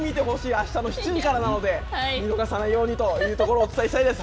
あしたの７時からなので、見逃さないようにというところをお伝えしたいです。